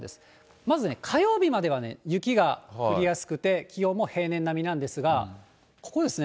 まずね、火曜日までは雪が降りやすくて、気温も平年並みなんですが、ここですね、